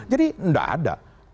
jadi tidak ada